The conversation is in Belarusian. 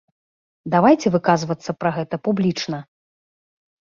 Давайце выказвацца пра гэта публічна!